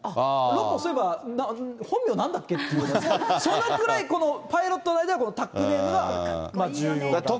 ロッコウ、そういえば本名なんだっけっていうような、そのくらいパイロットの間では、このタックネームが重要だと。